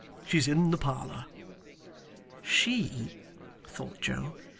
She's in the parlour.' 'She,' thought Joe.